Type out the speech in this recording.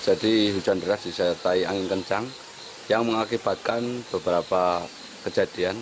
jadi hujan deras disertai angin kencang yang mengakibatkan beberapa kejadian